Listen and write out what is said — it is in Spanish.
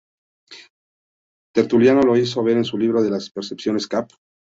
Tertuliano lo hizo ver en su libro "De las Prescripciones, cap.